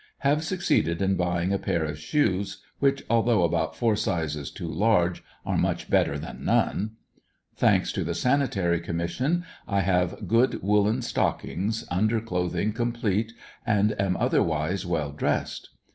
Have succeeded in buying a pair of shoes, which, although about four sizes too large, are much better than none. Thanks to the Sanitary Commission I have good woolen stockings, under clothing complete, and am otherwise well dressed.